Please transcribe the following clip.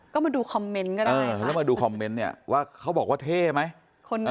ก็มาดูคอมเมนต์ก็ได้แล้วมาดูคอมเมนต์เนี่ยว่าเขาบอกว่าเท่ไหม